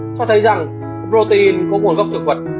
có thấy rằng protein của nguồn gốc thực vật